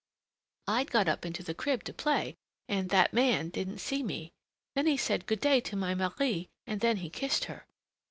I'd got up into the crib to play, and that man didn't see me. Then he said good day to my Marie and then he kissed her."